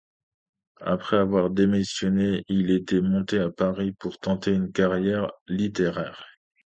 Après avoir démissionné, il était monté à Paris pour tenter une carrière littéraire.